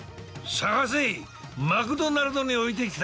探せマクドナルドに置いてきた。